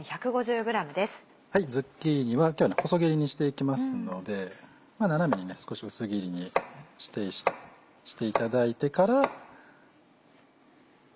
ズッキーニは今日は細切りにしていきますので斜めに少し薄切りにしていただいてから。